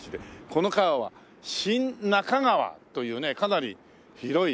この川は新中川というねかなり広い川なんですけど。